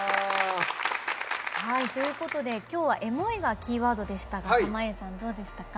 ということで、きょうは「エモい」がキーワードでしたが濱家さん、どうでしたか。